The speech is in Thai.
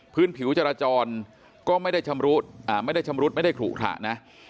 พื้นผิวจราจรก็ไม่ได้ชำรุธไม่ได้ขรุขระนะ